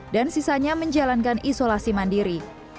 dan sisanya menjalankan isolasi mandiri